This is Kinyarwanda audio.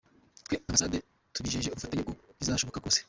Twe nk’Ambasade tubijeje ubufatanye uko bizashoboka kose.